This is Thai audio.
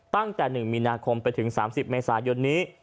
ตั้งแต่๑มีนาคมไปถึง๓๐เมษายนนี้